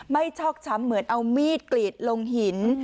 ชอกช้ำเหมือนเอามีดกรีดลงหิน